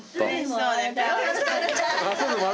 うれしそうね。